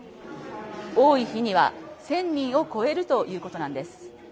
多い日には１０００人を超えるということなんです。